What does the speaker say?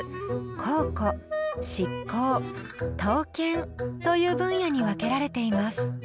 考古漆工刀剣という分野に分けられています。